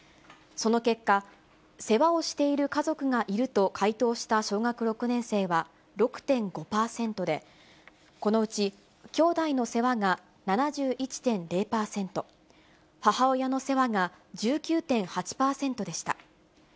その結果、世話をしている家族がいると回答した小学６年生は６．５％で、このうち、きょうだいの世話が７１．０％、母親の世話が１９．８％でした。